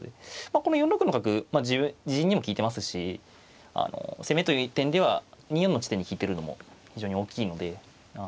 この４六の角自陣にも利いてますし攻めという点では２四の地点に利いてるのも非常に大きいので。